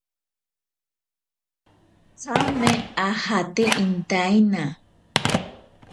Tsame ajate intaina.